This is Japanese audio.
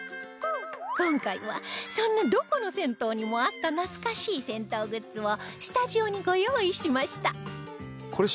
今回はそんなどこの銭湯にもあった懐かしい銭湯グッズをスタジオにご用意しました